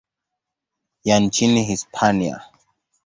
ya nchini Hispania.